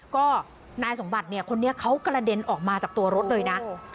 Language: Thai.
ก็นายสมบัติเนี่ยคนนี้เขากระเด็นออกมาจากตัวรถเลยนะ